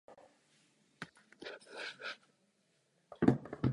Pracoval jako vysokoškolský profesor.